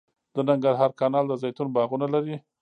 د ننګرهار کانال د زیتون باغونه لري